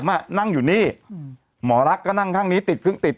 มาอคุ้มอะนั่งอยู่นี่หมอลักษณ์ก็นั่งทางนี้ติดคึ่งติด